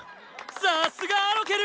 さっすがアロケル！